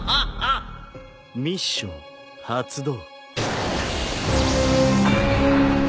ミッション発動。